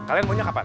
kalian mau nyokapan